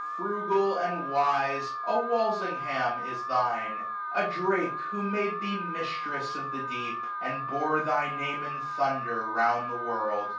Frugal, and wise, a Walsingham is thine ; A Drake, who made thee mistress of the deep. And bore thy name in thunder round the world.